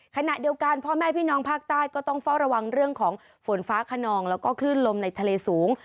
ขณะเดียวกันพ่อแม่พี่น้องภาคใต้ก็ต้องเฝ้าระวังเรื่องของฝนฟ้าขนองแล้วก็คลื่นลมในทะเลสูง